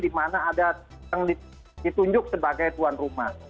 dimana ada yang ditunjuk sebagai tuan rumah